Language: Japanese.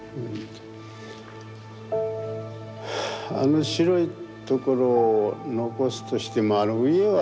はぁあの白いところを残すとしてもあの上は。